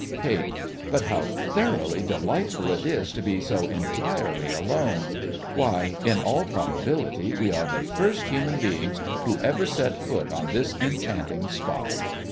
KATE: But how thoroughly delightful it is to be so entirely alone! Why, in all probability we are the first human beings who ever set foot on this enchanting spot.